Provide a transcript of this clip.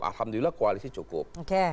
alhamdulillah koalisi cukup